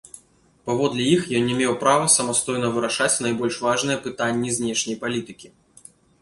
Паводле іх ён не меў права самастойна вырашаць найбольш важныя пытанні знешняй палітыкі.